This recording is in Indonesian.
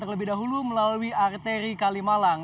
lalu melalui arteri kalimalang